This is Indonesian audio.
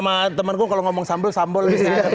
memang ada temanku kalau ngomong sambal sambal